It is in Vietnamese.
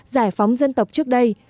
giải phóng dân tộc trước đây